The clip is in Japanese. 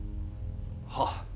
はっ。